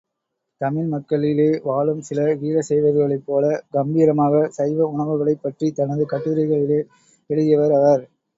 தமிழ்மக்களிலே வாழும் சில வீர சைவர்களைப் போல கம்பீரமாக சைவ உணவுகளைப் பற்றித் தனது கட்டுரைகளிலே எழுதியவர் அவர்.